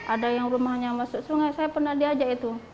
ada yang rumahnya masuk sungai saya pernah diajak itu